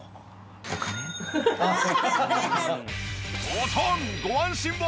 おとんご安心を！